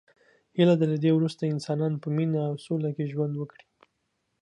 هیله ده له دی وروسته انسانان په مینه او سوله کې ژوند وکړي.